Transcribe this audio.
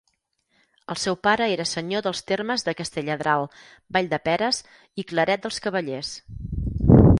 El seu pare era senyor dels termes de Castelladral, Valldeperes i Claret dels Cavallers.